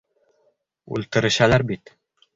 Үлтерешәләр бит!